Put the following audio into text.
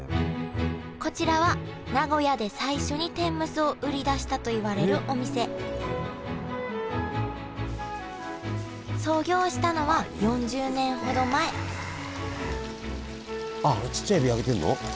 こちらは名古屋で最初に天むすを売り出したといわれるお店創業したのは４０年ほど前あっあのちっちゃいエビ揚げてんの？